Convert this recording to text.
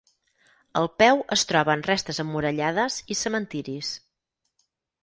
Al peu es troben restes emmurallades i cementiris.